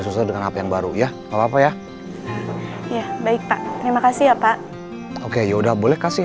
sesuai dengan apa yang baru ya apa apa ya ya baik pak terima kasih ya pak oke yaudah boleh kasih